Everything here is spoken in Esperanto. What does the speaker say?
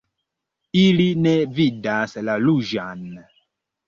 Ili ne vidas la ruĝan.